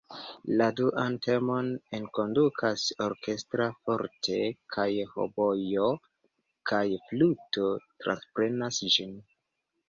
La duan temon enkondukas orkestra "forte", kaj hobojo kaj fluto transprenas ĝin.